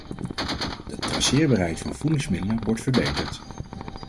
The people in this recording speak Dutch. De traceerbaarheid van voedingsmiddelen wordt verbeterd.